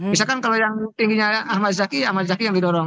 misalkan kalau yang tingginya ahmad zaki ya ahmad zaki yang didorong